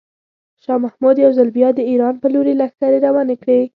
شاه محمود یو ځل بیا د ایران په لوري لښکرې روانې کړې.